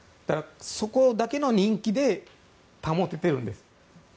そこだけの人気で保ててるんです。